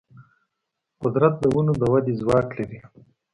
قدرت د ونو د ودې ځواک لري.